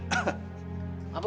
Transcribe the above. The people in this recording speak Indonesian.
dan anda tidak